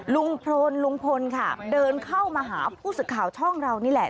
ลุงพลค่ะเดินเข้ามาหาผู้สื่อข่าวช่องเรานี่แหละ